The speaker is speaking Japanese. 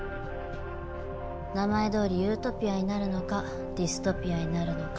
名前どおりユートピアになるのかディストピアになるのか。